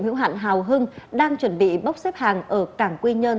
hữu hạn hào hưng đang chuẩn bị bốc xếp hàng ở cảng quy nhơn